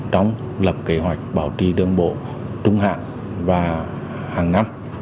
trong lập kế hoạch bảo trì đường bộ trung hạn và hàng năm